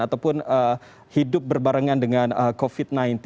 ataupun hidup berbarengan dengan covid sembilan belas